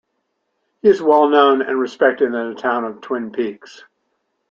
He is well-known and respected in the town of Twin Peaks.